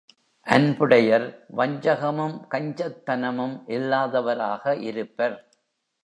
அன்புடையர் வஞ்சகமும் கஞ்சத்தனமும் இல்லாதவராக இருப்பர்.